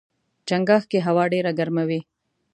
چنګاښ کې هوا ډېره ګرمه وي.